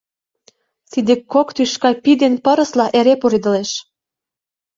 Тиде кок тӱшка пий ден пырысла эре пуредылеш.